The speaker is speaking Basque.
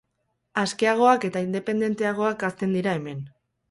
Askeagoak eta independenteagoak hazten dira hemen.